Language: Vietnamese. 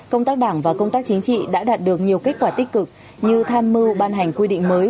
công tác đảng và công tác chính trị đã đạt được nhiều kết quả tích cực như tham mưu ban hành quy định mới